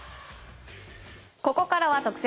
ここからは特選！